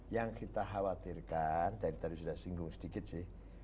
yang kita khawatirkan tadi tadi sudah singgung sedikit sih